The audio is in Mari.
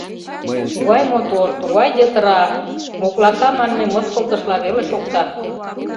Тугай мотор, тугай йытыра, — моклака манме мыскылтышла веле шокта.